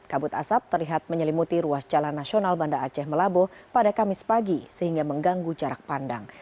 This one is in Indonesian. kabut asap terlihat menyelimuti ruas jalan nasional banda aceh melabuh pada kamis pagi sehingga mengganggu jarak pandang